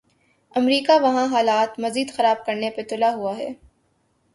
امریکہ وہاں حالات مزید خراب کرنے پہ تلا ہوا ہے۔